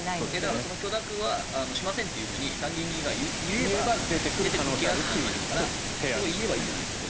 その許諾はしませんと参議院側が言えば出てくる可能性があるわけだからそこを言えばいいじゃないですか。